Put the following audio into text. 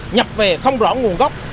nhập về không rõ nguồn gốc